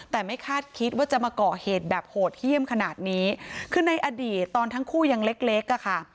แต่ไม่คาดคิดว่าจะมาก่อเหตุแบบโหดเยี่ยมขนาดนี้คือในอดีตตอนทั้งคู่ยังเล็กเล็กอ่ะค่ะ